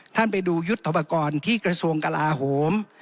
ท่านไปดูยุทธปกรณ์ที่กระทรวงกลาโหม